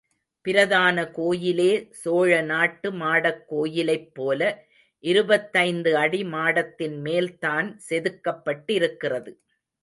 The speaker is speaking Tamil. பிரதான கோயிலே சோழ நாட்டு மாடக் கோயிலைப் போல இருபத்தைந்து அடி மாடத்தின் மேல்தான் செதுக்கப்பட்டிருக்கிறது.